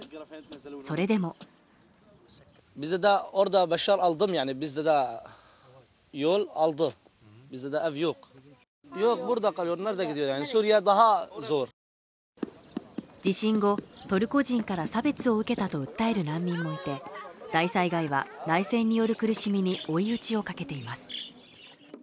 それでも地震後トルコ人から差別を受けたと訴える難民もいて大災害は内戦による苦しみに追い打ちをかけています。